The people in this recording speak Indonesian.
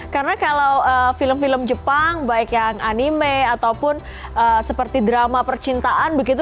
karena kalau film film jepang baik yang anime ataupun seperti drama percintaan begitu